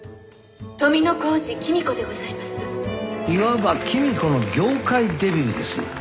いわば公子の業界デビューです。